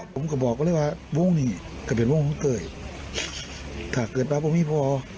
ผมก็บอกเขาเลยว่าวงนี่ก็เป็นวงของเต้ยถ้าเกิดมาผมไม่พอ